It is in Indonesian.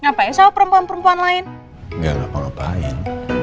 ngapain perempuan perempuan lain